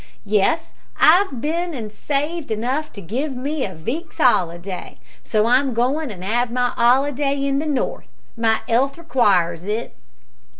Yes, I've bin an' saved enough to give me a veek's 'oliday, so I'm goin' to 'ave my 'oliday in the north. My 'ealth requires it."